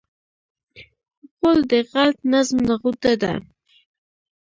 غول د غلط نظم نغوته ده.